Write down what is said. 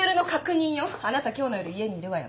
あなた今日の夜家にいるわよね？